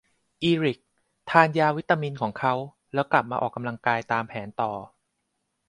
อีริคทานยาวิตามินของเขา แล้วกลับมาออกกำลังกายตามแผนต่อ